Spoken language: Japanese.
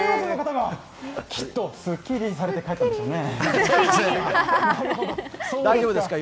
きっとスッキリされて帰ったんでしょうね。